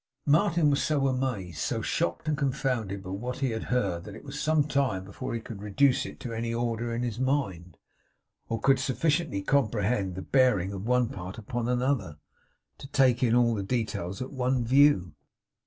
Martin was so amazed, so shocked, and confounded by what he had heard that it was some time before he could reduce it to any order in his mind, or could sufficiently comprehend the bearing of one part upon another, to take in all the details at one view.